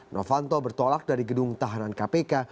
novanto bertolak dari gedung tahanan kpk